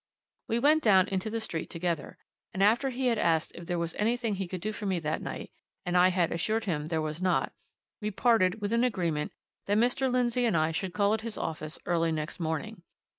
We went down into the street together, and after he had asked if there was anything he could do for me that night, and I had assured him there was not, we parted with an agreement that Mr. Lindsey and I should call at his office early next morning.